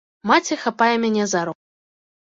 Маці хапае мяне за руку.